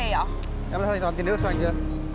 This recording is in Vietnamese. em ra thành phố ăn tiền nước cho anh chưa